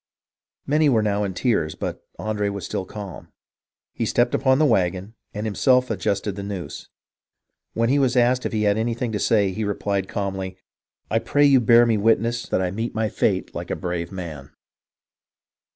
Many were now in tears, but Andre was still calm. He stepped upon the wagon, and himself adjusted the noose. When he was asked if he had anything to say, he replied calmly, " I pray you to bear me witness that I meet 298 HISTORY OF THE AMERICAN REVOLUTION my fate like a brave man."